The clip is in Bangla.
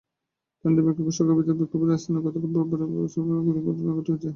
থাইল্যান্ডের ব্যাংককে সরকারবিরোধীদের বিক্ষোভের স্থানে গতকাল রোববার আবার বিস্ফোরণ এবং গুলির ঘটনা ঘটেছে।